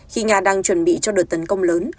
khi nga đang chuẩn bị cho đợt tấn công lớn